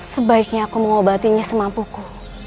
sebaiknya aku mengobatinya semampuku